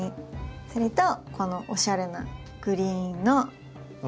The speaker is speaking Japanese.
それとこのおしゃれなグリーンの恐竜。